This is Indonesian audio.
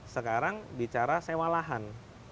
sekarang bicara sewa lahan